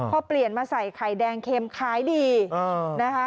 พอเปลี่ยนมาใส่ไข่แดงเข็มขายดีนะคะ